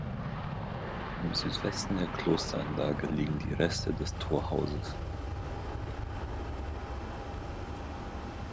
Im Südwesten der Klosteranlage liegen die Reste des Torhauses.